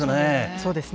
そうですね。